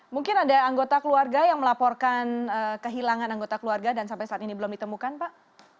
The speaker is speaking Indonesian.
mungkin ada anggota keluarga yang melaporkan kehilangan anggota keluarga dan sampai saat ini belum ditemukan pak